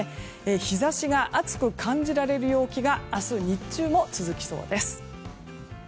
日差しが暑く感じられる陽気が明日、日中も続きそうです。